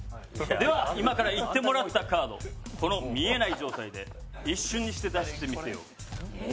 では今から言ってもらったカードこの見えない状態で一瞬にして出してみせよう。